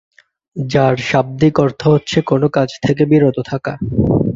যার শাব্দিক অর্থ হচ্ছে কোনো কাজ থেকে বিরত থাকা।